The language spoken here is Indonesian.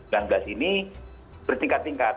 covid sembilan belas ini bertingkat tingkat